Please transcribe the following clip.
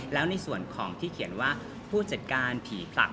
แล้วในส่วนของที่เขียนว่าผู้จัดการผีผลัก